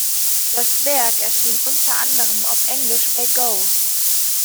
Das Werk erschien unter anderem auf Englisch bei Go!